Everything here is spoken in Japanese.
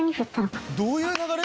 どういう流れ？